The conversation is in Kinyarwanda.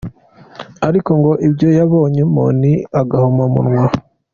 Ariko ngo ibyo yabonyemo ni agahomamunwa.